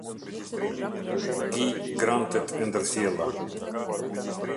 Gi Grantet e ndërsjella.